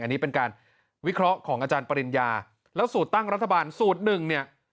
อันนี้เป็นการวิเคราะห์ของอาจารย์ปริญญาแล้วสูตรตั้งรัฐบาลสูตรหนึ่งเนี่ย